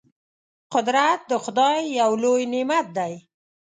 قدرت د خدای یو لوی نعمت دی.